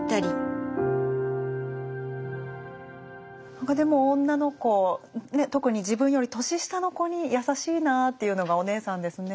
何かでも女の子特に自分より年下の子に優しいなあっていうのがおねえさんですね。